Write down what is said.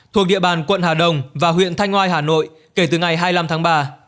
thuộc địa bàn quận hà đông và huyện thanh ngoai hà nội kể từ ngày hai mươi năm tháng ba